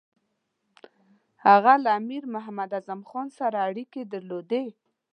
هغه له امیر محمد اعظم خان سره اړیکې درلودې.